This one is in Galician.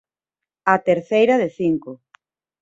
A terceira de cinco.